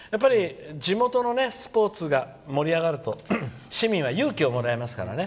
地元のスポーツが盛り上がると市民は勇気をもらいますからね。